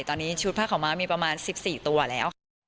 ตอนนี้ชุดผ้าขาวม้ามีประมาณ๑๔ตัวแล้วค่ะ